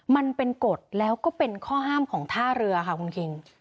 มันเป็นกฎแล้วก็เป็นข้อห้ามของท่าเรือค่ะคุณคิง